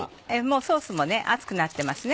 ソースも熱くなってますね。